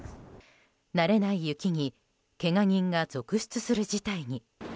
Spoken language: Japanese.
慣れない雪にけが人が続出する事態に。